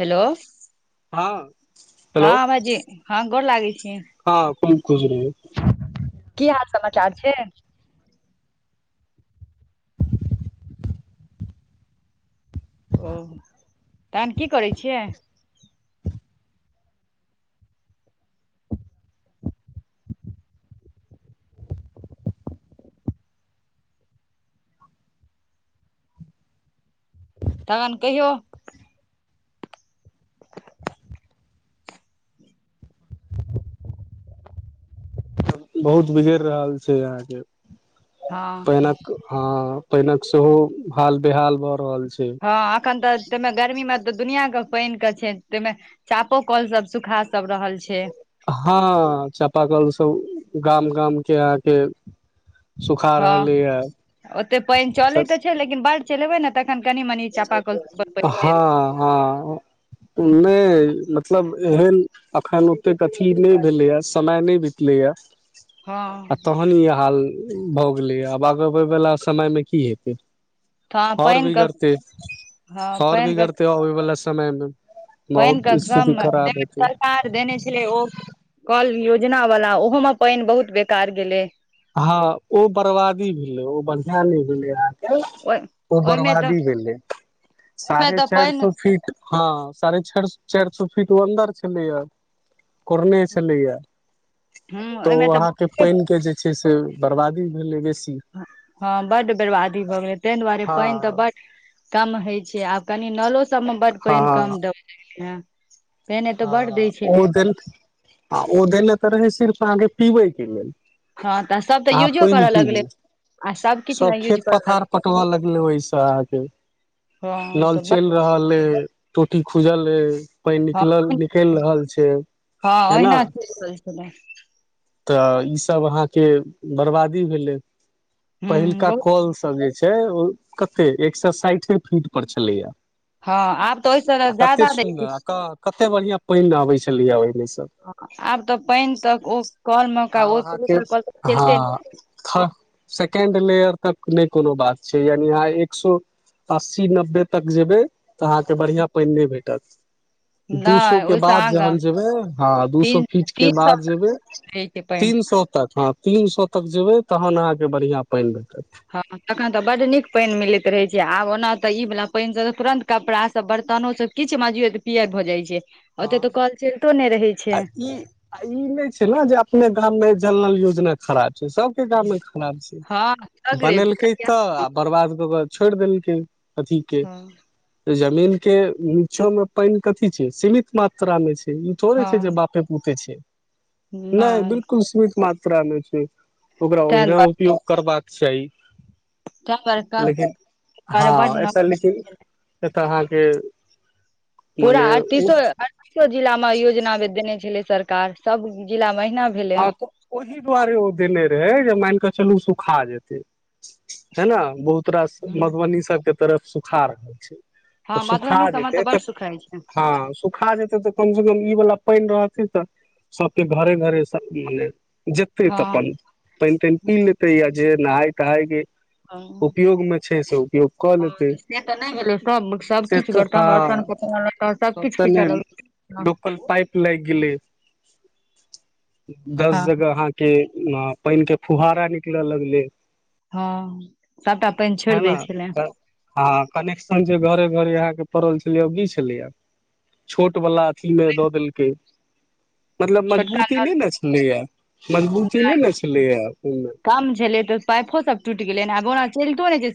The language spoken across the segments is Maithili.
हेलो हँ हँ भाईजी हँ गोर लागैय छी हँ खूब खुश रही की हाल समाचार छै ओ तहन की करै छियै तहन कहियौ बहुत बिगड़ रहल छै यहाँके हँ पहिने ह पहिने सेहो हाल बेहाल भऽ रहल छै हँ आखन तऽ तमे गर्मी मे तऽ दुनियाके पानि के छै तहि में चापोकल सब सूखा सब रहल छै हँ चापाकल सभ गाम गाम के अहाँ के हँ ओते पानि चले तऽ छै लेकिन बाढ़ि चलेबे ने त हँ हँ नहि मतलब एहन एखन ओतेक अथी नहि भेलैए समय नहि बितलैए हँ आ तहन ई हाल भऽ गेलै आब आबबय वला समयमे की हेतै त आओर पानि क [unintelligible] बिगड़तै आओर बिगरतै आबै बाला समयमे पानि के कम सरकार देने छलै ओ कल य योजना वाला ओहो मे पानि बहुत बेकार गेलै हँ ओ बर्बादी भेलै ओ बढ़ियां नहि भेलै आ ओहि ओ ओहिमे तऽ बर्बादी भेलै मे साढ़े तऽ चारि पानि सौ फीट हँ साढ़े छार चारि सौ फीट ओ अन्दर छलैया कोरने छलैया [unintelligible] ह तऽ ओहिमे अहाके बहुते पाइन के जे छैय से बर्बादी भेलै बे ह बड्ड बर्बादी भऽ गेलै तैं दुआरे हँ पनि तऽ बड्ड कम होइ छैय आब कनी नलो सब मे बड्ड पइन कम दम ह ओ देन ओ देने तऽ रहे सिर्फ अहाँके पीबै के लेल हँ तऽ सब तऽ अहाँ यूजो पानि कर लगलै पीबू [unintelligible] सभकिछु सब लए यूज खेत करऽ पथार लगलै पटबय लगलै ओहिसँ अहाँके हँ नल तऽ चैल बड रहल अए टोटी खुजल अए पइन हँ निकलल निकलि रहल छैय हँ ऐना ओहिना चलि रहल छलै तऽ ई सब अहा के बर्बादी भेले ह पहिलका बहुत कल सब जे छै ओ कते एक सए साइठे फीट पर छलैया हँ आब तऽ ओहिसँ आ कते ज्यादा दै छै सुन्दर आ कऽ कते बढ़िया पइन अबै छलैय ओहिमे सँ आब तऽ पानि तक ओ कल मेका आब अहाँके हँ चलते ने [unintelligible] थ सेकेंड लेयर तक नै कोनो बात छै यानि आइ एक सो अस्सी नब्बे तक जेबै तऽ अहाके बढ़िया पइन नै भेटत दू सो नहि के ओहिसँ बाद आगाँ जहन जेबै ह दू सो फीट के बाद जेबै छैके पानि तीन [unintelligible] सौ तीन सए तक जेबै तहन अहाके बढ़ियां पइन भेटत हँ तखन तऽ बड्ड नीक पइन मिलैत रहैत छैय आब ओना तऽ ई वाला पइनसँ त तुरन्त कपड़ा सब बड़ तहन ओइ सँ किछु माजियो तऽ पियर भऽ जाइ छैय ओते हँ तऽ कल चैलतो ने आ ई ई नै छैय ने जे अपने गाममे जल नल योजना खराब सबके गाममे खराब छै हँ सगरे बनेलकै तऽ पूरा आ बर्बाद कऽ केऽ छोड़ि देलकै अथी के जमीन के नीचो मे पइन कथी छै सीमित मात्रा मे छैय ई थोड़े छैय जे हँ बापे पूते छैय नै नहि बिलकुल सीमित मात्र त्रा मे छै ओकरा तैं ओहिना दुआरे उपयोग करबाक चाही तैं दुआरे कह लेकिन दुआरे बड्ड हँ न एतअ लेकिन तऽ अहाके पूरा अड़तीसो अड़तीसो जिला मऽ योजना देने छलै सरकार सब जिला मे अहिना भेलै ह तऽ ओहि दुआरे ओ देने रहै जे मैन कऽ चलू सुखा जेतै है न बहुत रास मधुबनी सबके तरफ सुखा रहल छै हँ सुखा मधुबनी सबमे जेतै बड़ तऽ सुखाय छै ह, सुखा जेतै तऽ कम से कम ई वला पानि रहतै तऽ सबके घरे घरे सब मने जेतै तऽ हँ अपन पइन तइन पी लेतै या जे नहाय तहायके कऽ लेतै से तऽ नै भेलय कम से सबकछु तऽ बर्तन हँ बासन कपड़ा लत्ता सब किछ तऽ खिच नहि लगलियै न लोकल पाइप लाइग गेलै दस हँ जगह अहाँके आ पइन के फुहारा निकलय लगलै हँ सभटा पानि छोड़ि है दै न छलै तऽ आ कनेक्शन जे घरे घरे अहाँ पड़ल छलै ओ की छलैय छोट वला अथी ले दऽ देलकै मतलब छोटका मजबूती नै नल न छलैया मजबूती नै नहि ने छलैया ओहिमे गेलनि आब ओना चैलतो नहि छै [unintelligible]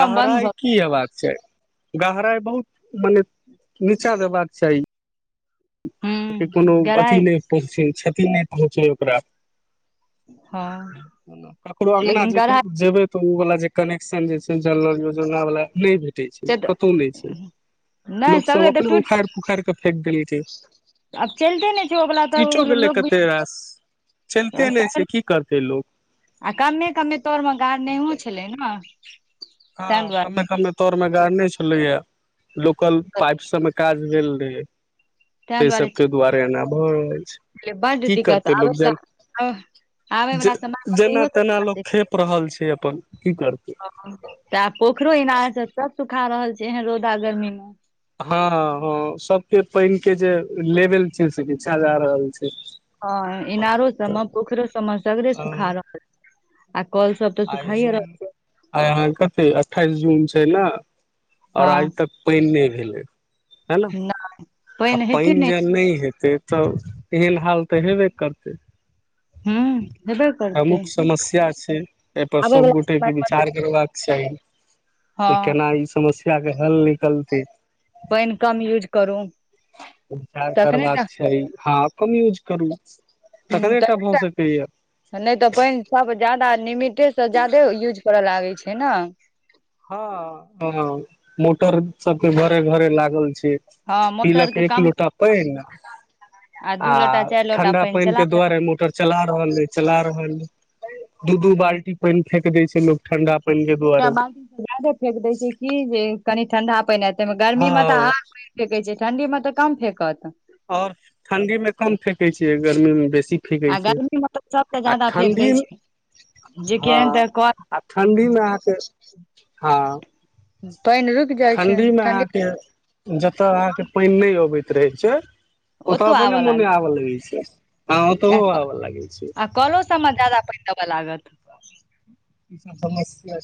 गाँव बन्द भऽ की हेबाक चाही गहराइ बहुत मने नीचा देबाक चाही कोनो हूँ अथि गराइ नै पहुँचै क्षति नहि पहुँचै ओकरा हँ ककरो अंगना लेकिन जे गराइ जेबै तऽ ओ वला जे कने कसन जे छैय जल नल योजना वाला नै भेटय टय छै से तऽ कतहु नहि छै नहि लोक सब सगरे तऽ अपने टूटि उखाड़ि पुखाड़ि कऽ फेेक देले छैय आब चलिते नहि छै ओ वला तऽ टूइटो ओ गेलै लोक भी कते रास चैलते नै सगरे छैय की करते लोक आ कमे कमे तोर मे गाड़ नहि छलै ने ताहि हँ कमे दुआरे कमे तौर मे गाड़ने छलेया लोकल पाइप सब मे काज भेल रहे तै सभके दुआरे एना भऽ रहल छै बुझलियै बड्ड की दिक्कत करतै आबै लोक वला जन आबे जे वला समय मे तऽ जेना इहो सब तेना जादा लोक दिक्कत खेप रहल छै अपन की करतै हँ। तऽ पोखरो इनार छै सब सुखा रहल छै एहन रौदा गर्मी मे हँ हँ हँ सबके पैन के जे लेवल छै से निचा जा रहल छै हँ इनारो सबमे पोखरो सबमे सगरे सुखा रहल आ कल सब तऽ आइ सुखाइये जून रहल छै आइ आहाँ कते अठाइस जून छै ने ओर आइ तक पैन नहि भेलै है ने नहि आ पैन जे नहि हेतै तऽ एहन हाल तऽ हेबे करतै हू प्रमुख समस्या छै एहिपर आबै वला समय सभगोटेके मे विचार तऽ करबाक चाही हँ त केना ई समस्या के हल निकलतै पैन कम यूज करू उपचार तखने टा करबाक छै हँ कम यूज करू ह तखने त टा नहि भऽ सकैया तऽ नै त पैन सब जदा निमितटे त जादे यूज करऽ लागै छै ने हँ ह ह मोटर सबके घरे घरे लागल छै हँ मोटर पीलक के एक कम लोटा पैन आ दू लोटा चारि लोटा ठंडा पानि पैन चला के लेलक दुआारे मोटर चला रहल हे चला रहल दू दू हूँ बाल्टी पैन फेेक दै छै लोक ठंडा पैन के दुआरे ादे फेेक देय छै की जे कनी ठंडा पैन गर्मी मे तऽ हँ आ फेेक छै ठण्डी मे तऽ कम फेकत ओर ठणडी मे कम फेेकै छियै गर्मी मे बेसी सी फेकै आ छै गर्मी मे तऽ सबसे आ ज्यादा फेेक दै ठण्ढी छै जे हँ केहन तऽ कल आ ठण्डीमे अहाँके हँ पानि रुकि जाइ छै ठण्ढीमे ठंडी अहाँके जतय अहाँ के पैन नैय अबैत रहे छै ओतऽ ओतौ अपने आबऽ मोने लागै आबय लगे छै हँ ओतहो आबऽ लागै छै आ कलो सबमे जादा पैन देबय लागल ई समस्या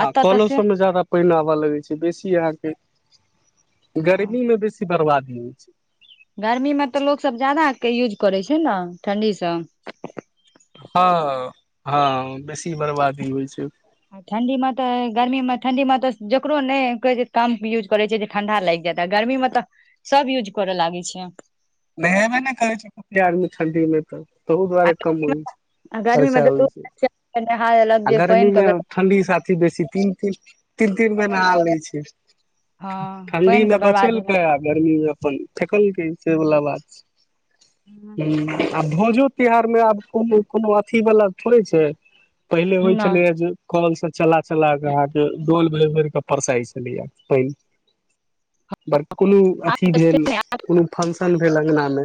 हँ एतऽ तऽ कोलो से सभ मे ज्यादा पैन आबय लगै छै बेसी अहाँके गर्मी मे बेसी बर्बादी होइ छै गर्मीमे तऽ लोकसभ ज्यादाके यूज करै छै ने ठण्ढीसँ हँ हँ ह बेसी बरबादी होइ छै ग्रमि मे ठंडी मे त जकरो नैय कहे छै कम उज करे छै जे ठण्डा लाग जाइत ग्रमी मे त स सब यूज करऽ लागै छै नहेबे नैय करै छै कत्ते आदमि ठंदी मे तऽ त ओहु दुारे कम होइ छै आ गर्मी मे खर्चा होइ छै तऽ नहा लेलक आ जे गर्मी पानि मे के ठंडि साथी बेसी तीन ती तीन तीन बेर नहा ले छै हँ ठण्डी पानि मे के बर्बादी मे बचेलकै आ गर्मी मे अपन फ़ेक्लके से वला बात हू आ भोजो त्यहार मे आब कोनो कोनो अथी वला थोड़े छै पहिले होइ नहि छलैए जे कॉल से चला चला कऽ अहाँके डोल भैर भैर कऽ परसाई छलैया पैन बर कोनो अथी आब भेल तऽ कोनो फंक्शन भेल अगना मे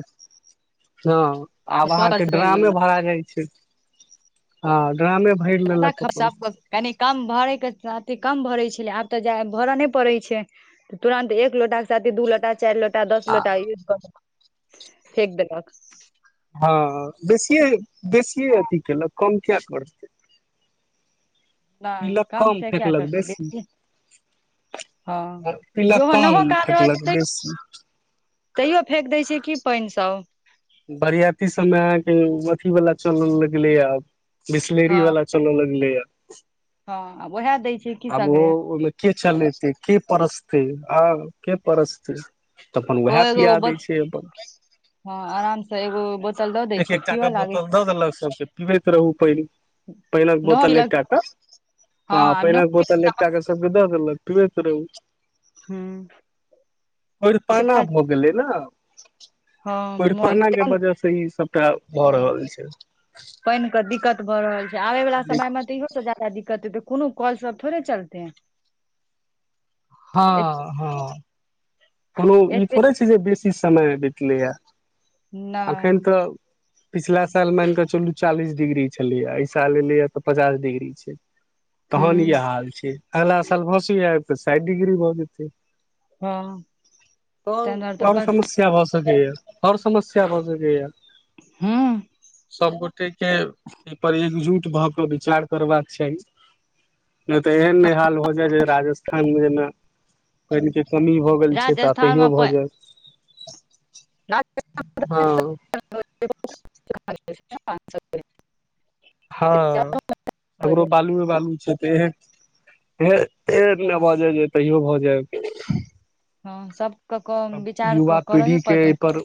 हँ आब कल अहाँके से पानि ड्रामे लेलक भरा जाइ छै हँ ड्रामे भरि जादा लेलक अपन खर्चा कनि कम भरेके सा कम भरे छले आब तऽ जा भरऽ ने पड़े छै तुरंत एक लोटा के साथी दू लोटा चार लोटा ते दस आ लोटा ये क फेक देलक हँ बेसिए बेसिए अथि केलक कम किएक करतै नहि पीलक कम से क्या फेेकलक करते बेसी हँ पीलक जेहो कम नहो काज रहै छै फेकलक तैयो बेसी तैयो फेेक दै छय की पानिसभ बरयाती सभमे अहाँके अथी वला चलल लगलए आब हँ बिसलैरी वाला चलऽ लगलै य हँ आब उएह दै छैय की सगरे चलेते के परसतय आ के परसतय तऽ अपन ओ उएह एगो पिया दय बोत छैय अपन हँ आराम से एगो बो एक एक टा क बोतल दऽ देलक सभके पीबैत रहू पानि पानिक नहो बोतल पीलक एकटा क हँ ह आब नहो पानिक बोतल पीलक एकटा क सबके दऽ देलक पिबैत रहु हूँ कोइरहपाना सैह भ गेलै ना हँ मोन कोरिपाना के तें वजह से ई सभटा भऽ रहल छैय पानि के दिक्कत भऽ रहल छै आबे वाला समय में तऽ इहो सँ ज्यादा का दिक्कत हेतै कोनो कल सब थोड़े चलते हँ हँ कोनो ई एते थोरे छय जे बेस की समये बितलै यऽ नहि एखन तऽ पिछला साल मान कऽ चलू चालीस डिग्री छलैए एहि साल एलैए तऽ पचास डिग्री छैय तहन इएह हूँ हाल छैय अगला साल भऽ सकय यै फेर साठि डिग्री भऽ जेतै ह त त आओर समस्या भ सकैय यऽ आओर समस्या भऽ सकैय यऽ हूँ सब गोटे के एहि पर एकजुट भऽ क विचार करबाक छैह नहि तऽ एहन नहि हाल भ जाय जे राजस्थान जेना पइन के कमी भऽ गेल छैय तऽ राजस्थान तैयो मे भऽ पानि जाय राजस्थान ह [unintelligible] हँ हमरो हँ बालूए बालू छै तऽ एह फेर ने भऽ जाय जे तैयो भऽ जाय हँ सबके क विचार युवा कऽ करैये पीढ़ी के पड़ते। एहिपर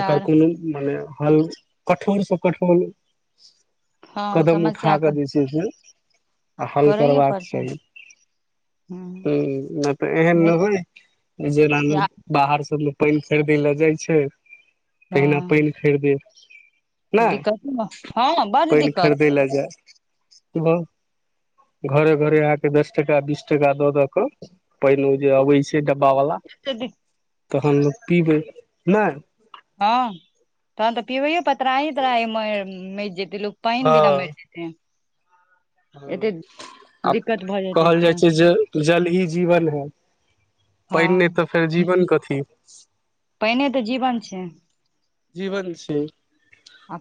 ओकर कोनो मने हल कठोर स कठोर हँ कदम समस्या उठा क कऽ जे छै से आ हल करैए करबाक पड़तै हूँ चाही हम्म एहन हँ नहि हेइ जेना बाहर सब पानि खरीदै ले जाइ छैय तहिना पानि खरिदय नय दिक्कत हँ बड पानि दिक्कत खरीदै लए जाय त घरे घरे आके दस टाका बीस टाका द दऽक पानि ओ जे अबै छै डब्बा वल्ला तहन लोक पीबै नहि हँ तहन तऽ पिबैयइ परतैय त्राहि त्राहि मइर जैते लोक पानि बिना हँ मरि जेतै एते हँ आब दिक्कत भऽ जेतै कहल से जाइ छै जे जल ही जीवन है। पानि नहि तऽ फेर जीवन कथी पानि तऽ जीवन छैय जीवन छैय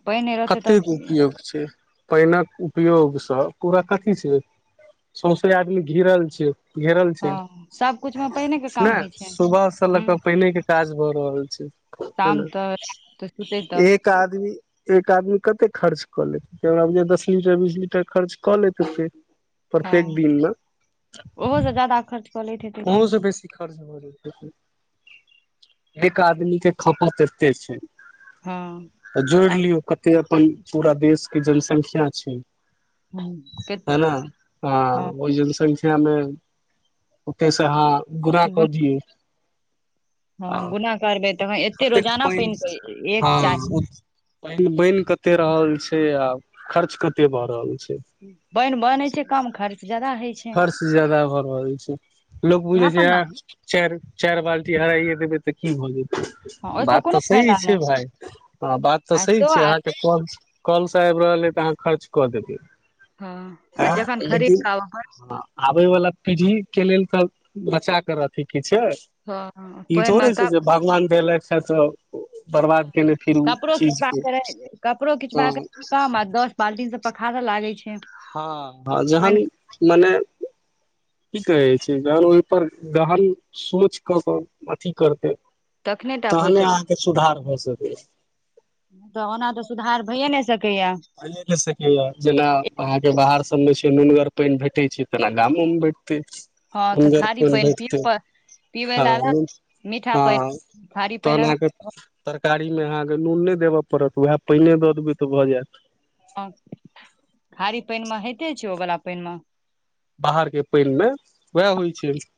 पानि नहि रहतै तऽ कतेक उपयोग छैय पानिक उपयोग सँ पूरा कथी छैय सौंसे आदमी घिरल छैय घेरल छैय हँ सबकुछ मे पानिके काम ने होइ छै सुबह से लऽ कऽ हूँ पाइने के काज भऽ रहल छै है शाम न तक तऽ सुतै तक एक आदमी एक आदमी कते खर्च कऽ लेत हमरा बूझाइये दस लीटर बीस लीटर खर्च कऽ लेत हेतय प्रत्येक हँ दिनमे ओहो से ज्यादा खर्च कऽ लैत हेतै की अहूँ सँ बेसी खर्च भऽ जेतए। एक आदमी के खपत एत्ते छैय। हँ त जोड़ि आइ लियौ कते अपन पूरा देश के जनसंख्या छैय। हँ के हैना, हँ ओहि जनसंख्या मे ओते सँ अहाँ गुना क गुन दियौ। हँ आ गुना करबै तखन एते कतेक रोजाना पानि के एक चाही हँ, पानि बनि कते रहल छैय से आ खर्च कते भए रहल छैय। पाइन बनैय छैय कम खर्च जैयदा होइ छैय। खर्च ज्यादा भ रहल छैय लोक इएह बुझैय पर छैय ने ऐं चारि-चारि बाल्टी हराइए देबैय त की भ हँ जेतैय। ओहिसँ बात कोनो तऽ सही फायदा छैय नहि भाय, ह बात तऽ आ सही तो छैय आ अहाँके कल सँ आइब रहल ऐ तऽ अहाँ खर्च कऽ देबैय। हँ, आ जखन खरीद कऽ आबए पर? आबैय वला पीढ़ीके लेल तऽ बचा कऽ रखैय के छैय, पड़ हँ इ पानि मे थोड़े छैय क जे भगवान देलैथ हे तऽ बर्बाद केने फिरू कपड़ो चीज खिचबाक के छैय कपड़ो हँ खिचबाक काम आ दस बाल्टीन सँ पखारहो [unintelligible] लागैय छैय। हँ आ जहन माने की कहैय छैय जहन ओहि पर गहन सोच कऽ कऽ अथी करतैय तखने टा भऽ तहने सकै अहाँके सुधार भऽ सकैये तऽ ओना तऽ सुधार भइए नै सकैय भइए नै सकैय, जेना अहाँके बाहर सब मे नुनगर पाइन भेटैय छैय तेना गामोमे भेटतै। हँ तऽ नुनगर खाली पाइन पानि पिय भेटतैय। पर पीबै ह लए अलग मीठा हँ पानि खारी पानि तहन अहाँके अलग तर- कारी मे अहाँके नुन नै देबय पड़त उएह पाइने द देबैय तऽ भऽ जाएत। हँ, खारी पाइनमे होइते छैय, ओ वला पाइनमे बाहरके पाइनमे उएह होइ छैय।